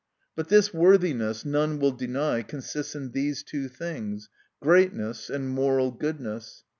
But this worthiness none will deny consists ia these two things, greatness and moral goodness.